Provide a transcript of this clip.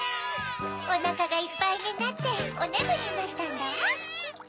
おなかがいっぱいになっておねむになったんだわ。